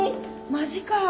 マジか。